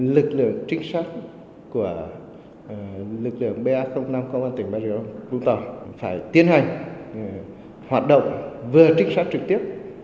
lực lượng trích sát của lực lượng ba năm công an tỉnh vũng tàu phải tiến hành hoạt động vừa trích sát trực tiếp